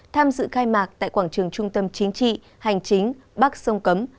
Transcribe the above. tham dự khai mạc tại quảng trường trung tâm chính trị hành chính bắc sông cấm